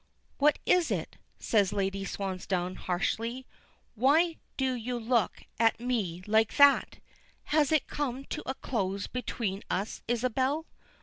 "What is it?" says Lady Swansdown, harshly. "Why do you look at me like that? Has it come to a close between us, Isabel?